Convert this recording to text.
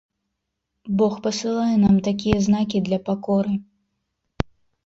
Бог пасылае нам такія знакі для пакоры.